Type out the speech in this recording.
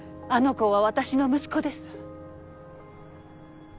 あの子は私の息子です。